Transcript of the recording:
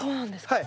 はい。